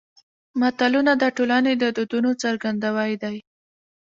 متلونه د ټولنې د دودونو څرګندوی دي